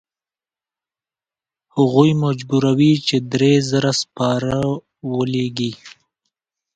هغوی مجبوروي چې درې زره سپاره ولیږي.